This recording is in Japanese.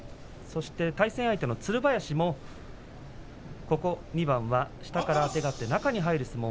対戦相手のつる林もここ２番は下からあてがって中に入る相撲。